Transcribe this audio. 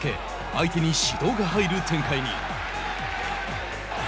相手に指導が入る展開に。